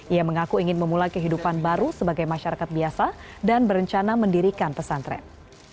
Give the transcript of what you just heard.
ia mengaku ingin memulai kehidupan baru sebagai masyarakat biasa dan berencana mendirikan pesantren